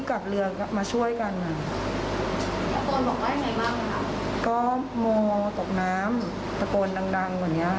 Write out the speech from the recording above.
แล้วก็แสนน้ำจริงค่ะ